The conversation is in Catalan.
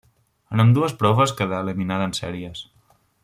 En ambdues proves quedà eliminada en sèries.